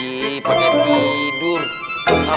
siapa sih yang ngamuin asun